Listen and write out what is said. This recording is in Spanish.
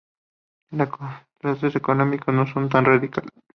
Los contrastes económicos no son tan radicales.